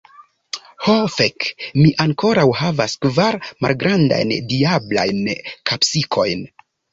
Ho fek, mi ankoraŭ havas kvar malgrandajn diablajn kapsikojn.